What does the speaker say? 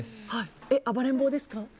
暴れん坊ですか？